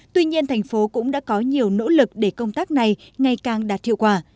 tuy nhiên thành phố cũng đã có nhiều nỗ lực để công tác này ngày càng đạt hiệu quả